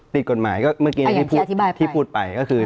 ติดกฎหมายก็เมื่อกี้ที่พูดไปก็คือ